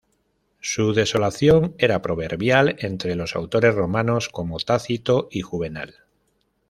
Su desolación era proverbial entre los autores romanos, como Tácito y Juvenal.